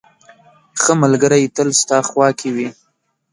• ښه ملګری تل ستا خوا کې وي.